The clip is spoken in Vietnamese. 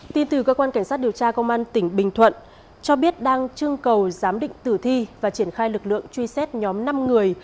tin từ cơ quan cảnh sát điều tra công an tỉnh bình thuận cho biết đang chương cầu giám định tử thi và triển khai lực lượng truy xét nhóm năm người